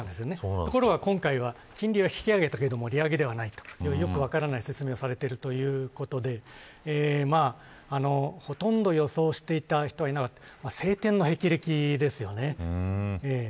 ところが今回は、金利を引き上げたけれど利上げではないと良く分からない説明をされているということでほとんど予想していた人はいなかった青天のへきれきですよね。